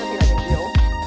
đó là cái điều